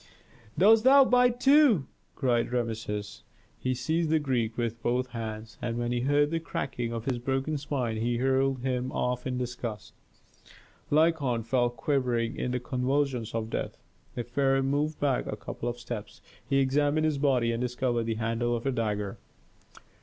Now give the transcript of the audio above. "Dost thou bite too?" cried Rameses. He seized the Greek with both hands, and when he heard the cracking of his broken spine he hurled him off in disgust. Lykon fell quivering in the convulsions of death. The pharaoh moved back a couple of steps. He examined his body and discovered the handle of a dagger.